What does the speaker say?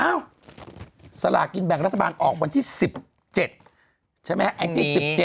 เอ้าสลากกินแบ่งรัฐบาลออกวันที่๑๗ใช่ไหมฮะ